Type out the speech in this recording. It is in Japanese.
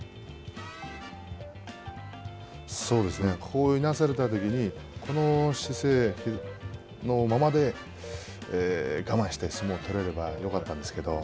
こういう、いなされたときに、この姿勢のままで我慢して相撲を取れればよかったんですけど。